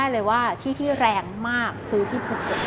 รวบใช่